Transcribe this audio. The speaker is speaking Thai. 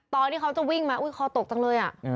ตอนที่เขาจะวิ่งมาอุ๊ยคอตกจังเลย